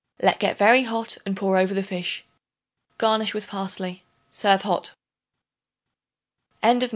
Let get very hot and pour over the fish. Garnish with parsley. Serve hot. APRIL. 1.